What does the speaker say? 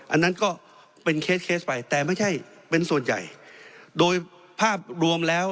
อันนั้นก็เป็นเคสเคสไปแต่ไม่ใช่เป็นส่วนใหญ่โดยภาพรวมแล้ว